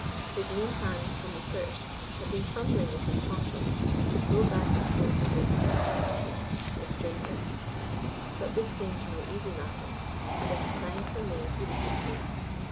His lean hands from the first had been fumbling with his poncho, to throw back the folds of it in courtesy to a stranger; but this seemed no easy matter, and at a sign from me he desisted.